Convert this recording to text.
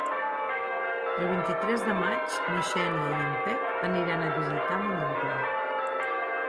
El vint-i-tres de maig na Xènia i en Pep aniran a visitar mon oncle.